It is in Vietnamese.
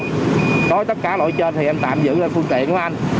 đối tất cả lỗi trên thì em tạm giữ lên phương tiện của anh